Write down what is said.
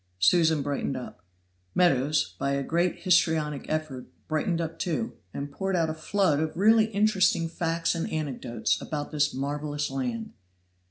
Susan brightened up. Meadows, by a great histrionic effort, brightened up, too, and poured out a flood of really interesting facts and anecdotes about this marvelous land.